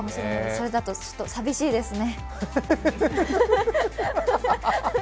それだと寂しいですね。